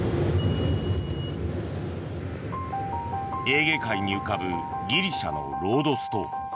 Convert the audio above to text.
エーゲ海に浮かぶギリシャのロードス島。